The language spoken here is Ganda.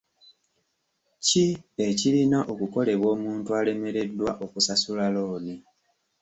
Ki ekirina okukolebwa omuntu alemereddwa okusasula looni?